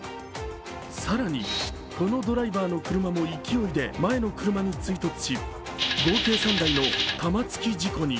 更に、このドライバーの車も勢いで前の車に衝突し、合計３台の玉突き事故に。